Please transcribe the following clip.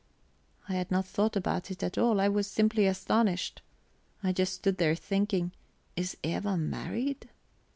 I had not thought about it at all; I was simply astonished. I just stood there thinking: Is Eva married?